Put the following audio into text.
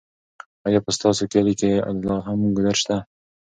ایا په ستاسو کلي کې لا هم ګودر شته؟